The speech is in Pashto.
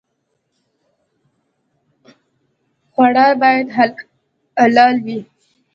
خوړل باید حلال وي